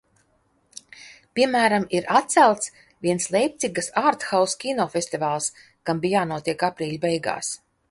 Piemēram, ir atcelts viens Leipcigas arthouse kino festivāls, kam bija jānotiek aprīļa beigās.